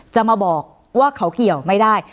จะมาบอกว่าเขาเกี่ยวไม่ได้